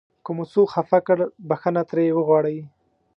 که مو څوک خفه کړ بښنه ترې وغواړئ.